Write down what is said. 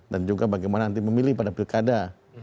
dan juga bagaimana nanti memilih pada pilkada dua ribu delapan belas